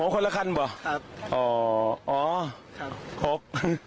คนละคันเหรอครับ